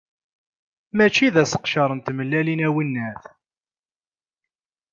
Mačči d aseqcer n tmellalin, a winnat.